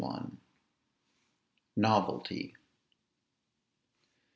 NOVELTY.